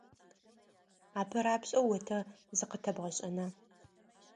АпэрапшӀэу о тэ зыкъытэбгъэшӀэна ?